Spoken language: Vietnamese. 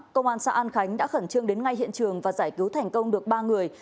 công an xã an khánh đã khẩn trương đến ngay hiện trường và giải cứu thành công được ba người